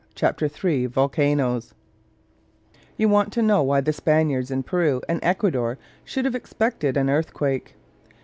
CHAPTER III VOLCANOS You want to know why the Spaniards in Peru and Ecuador should have expected an earthquake.